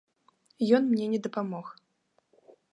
Ён мне не дапамог.